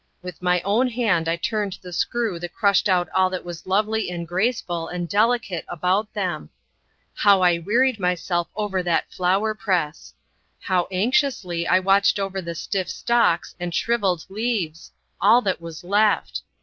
With my own hand I turned the screw that crushed out all that was lovely and graceful and delicate about them. How I wearied myself over that flower press! How anxiously I watched over the stiff stalks and shrivelled leaves, all that was left!